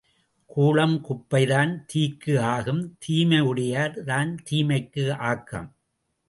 கூளம் குப்பைதான் தீக்கு ஆக்கம் தீமையுடையார் தான் தீமைக்கு ஆக்கம்.